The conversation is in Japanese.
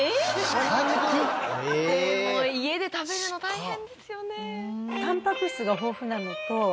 でも家で食べるの大変ですよね。